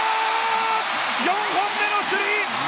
４本目のスリー！